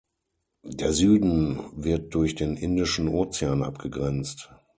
Der Süden wird durch den indischen Ozean abgegrenzt.